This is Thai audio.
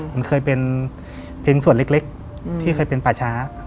มันเคยเป็นเพียงส่วนเล็กที่เคยเป็นป่าช้า